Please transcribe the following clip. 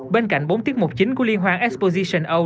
bên cạnh bốn tiết mục chính của liên hoàng exposition eau